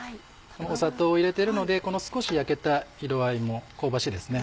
砂糖を入れてるので少し焼けた色合いも香ばしいですね。